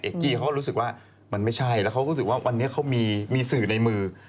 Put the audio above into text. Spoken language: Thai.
กี้เขาก็รู้สึกว่ามันไม่ใช่แล้วเขาก็ถือว่าวันนี้เขามีสื่อในมือ